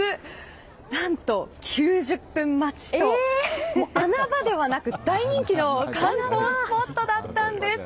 何と９０分待ちと穴場ではなく、大人気の観光スポットだったんです。